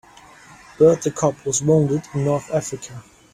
Bert the cop was wounded in North Africa.